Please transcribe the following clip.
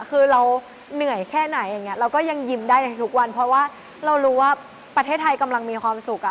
คือเราเหนื่อยแค่ไหนอย่างนี้เราก็ยังยิ้มได้ในทุกวันเพราะว่าเรารู้ว่าประเทศไทยกำลังมีความสุขอ่ะ